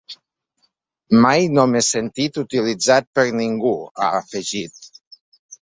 Mai no m’he sentit utilitzat per ningú, ha afegit.